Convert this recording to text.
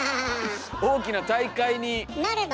大きな大会になれば。